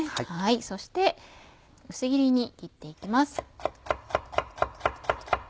そして薄切りに切って行きます。